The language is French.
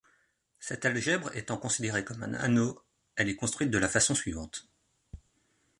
Cette algèbre étant considérée comme un anneau, elle est construite de la façon suivante.